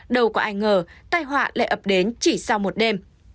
đâu có ai ngờ tai họa lại ập đến chỉ sau một đêm